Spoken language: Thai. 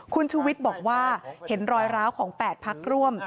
คุณชูวิทย์บอกว่าเห็นรอยร้าวของ๘พักร่วม